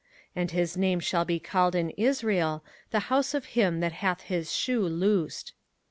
05:025:010 And his name shall be called in Israel, The house of him that hath his shoe loosed.